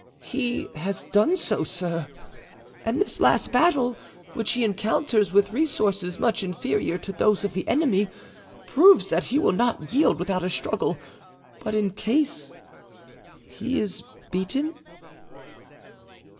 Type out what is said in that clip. "He has done so, sir, and this last battle, which he encounters with resources much inferior to those of the enemy, proves that he will not yield without a struggle; but in case he is beaten?"